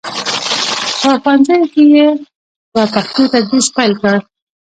په ښوونځیو کې یې په پښتو تدریس پیل کړ.